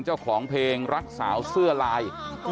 เจ้าของเพลงรักสาวเสื้อลาย